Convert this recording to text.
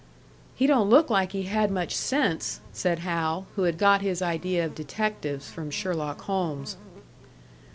"He don't look like he had much sense," said Hal who had got his idea of detectives from Sherlock Holmes.